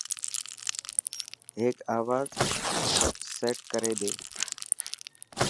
هڪ آواز سيٽ ڪري ڏي.